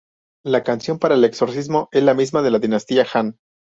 La canción para el exorcismo es la misma de la dinastía Han".